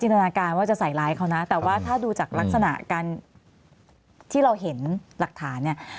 นาการว่าจะใส่ร้ายเขานะแต่ว่าถ้าดูจากลักษณะการที่เราเห็นหลักฐานเนี่ย